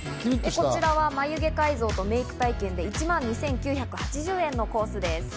こちらは眉毛改造とメイク体験で１万２９８０円のコースです。